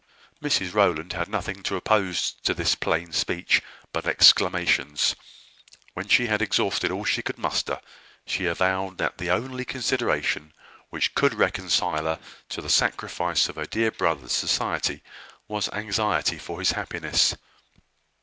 Mrs Rowland had nothing to oppose to this plain speech but exclamations. When she had exhausted all she could muster, she avowed that the only consideration which could reconcile her to the sacrifice of her dear brother's society was anxiety for his happiness.